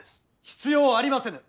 必要ありませぬ。